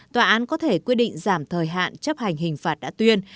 tòa án có thể quyết định giảm thời hạn chấp hành hình phạt đã tuyên